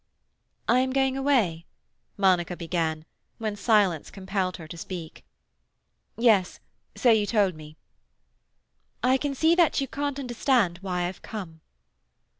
"I am going away," Monica began, when silence compelled her to speak. "Yes, so you told me." "I can see that you can't understand why I have come."